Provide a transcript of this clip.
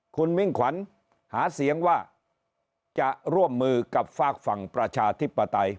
คุณมิ่งขวัญหาเสียงว่าจะร่วมมือกับฝากฝั่งประชาธิปไตย